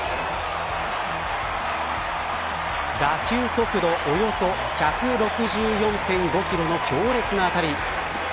打球速度およそ１６４．５キロの強烈な当たり。